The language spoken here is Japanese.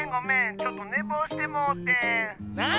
ちょっとねぼうしてもうてん。